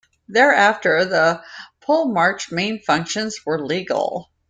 Thereafter the polemarch's main functions were legal.